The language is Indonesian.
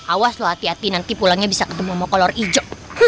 awaslah hati hati nanti pulangnya bisa ketemu makolor ijo